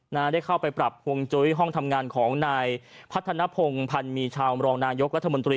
น่าได้เข้าไปปรับกวงจุ้ของห้องทำงานของนายภัทธนภงภัณฑ์มีชาวมรองนายก